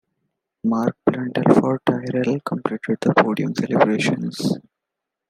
Mark Blundell, for Tyrrell, completed the podium celebrations.